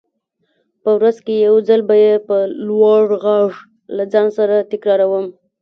په ورځ کې يو ځل به يې په لوړ غږ له ځان سره تکراروم.